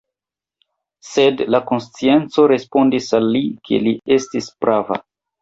Sed la konscienco respondis al li, ke li estis prava.